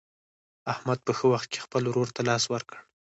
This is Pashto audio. احمد په ښه وخت کې خپل ورور ته لاس ورکړ.